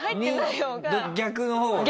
逆の方が。